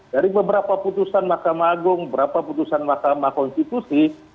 dari beberapa putusan mahkamah agung beberapa putusan mahkamah konstitusi